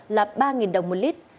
là ba đồng một lít